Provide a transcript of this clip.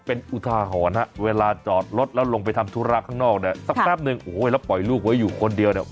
เป็นอุทาหรณ์ฮะเวลาจอดรถแล้วลงไปทำธุระข้างนอกเนี่ยสักแป๊บนึงโอ้โหแล้วปล่อยลูกไว้อยู่คนเดียวเนี่ย